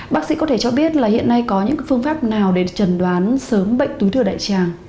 bác sĩ có thể cho biết là hiện nay có những phương pháp nào để trần đoán sớm bệnh túi thừa đại tràng